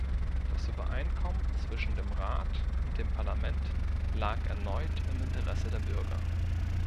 Das Übereinkommen zwischen dem Rat und dem Parlament lag erneut im Interesse der Bürger.